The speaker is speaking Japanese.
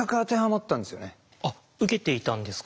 あっ受けていたんですか？